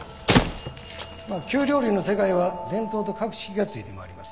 京料理の世界は伝統と格式がついて回ります。